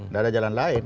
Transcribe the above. tidak ada jalan lain